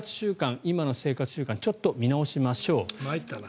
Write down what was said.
生活習慣ちょっと見直しましょう。